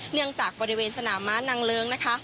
เนื่องจากบริเวณสนามม้านางเลิ้งนะคะ